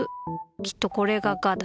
きっとこれが「が」だ！